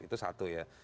itu satu ya